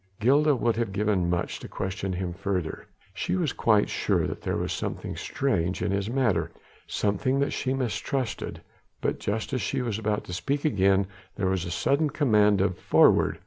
Gilda would have given much to question him further. She was quite sure that there was something strange in his manner, something that she mistrusted; but just as she was about to speak again, there was a sudden command of "Forward!"